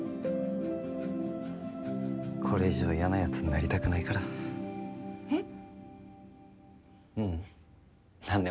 これ以上嫌なヤツになりたくないからえっ？